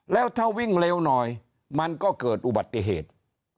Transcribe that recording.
แล้วถ้าวิ่งเร็วหน่อยมันก็เกิดอุบัติเหตุ